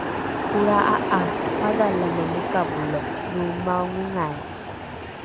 ’olra’a ’a madhalame mokavole lo maongongai